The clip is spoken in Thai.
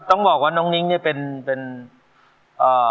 ต้องบอกว่าน้องนิ้งเนี้ยเป็นเป็นเอ่อ